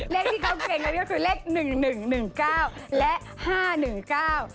เลขที่เขาเกรงกันก็คือแต่เลข๑๑๑๙และ๕๑๙